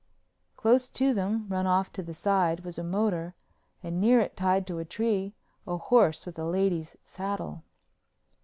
Close to them, run off to the side, was a motor and near it tied to a tree a horse with a lady's saddle.